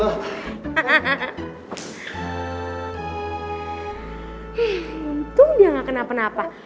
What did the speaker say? untung dia nggak kenapa napa